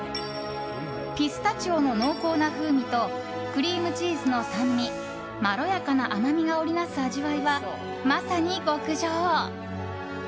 ピスタチオの濃厚な風味とクリームチーズの酸味まろやかな甘みが織り成す味わいは、まさに極上。